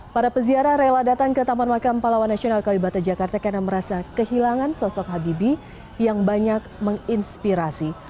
para peziarah rela datang ke taman makam pahlawan nasional kalibata jakarta karena merasa kehilangan sosok habibie yang banyak menginspirasi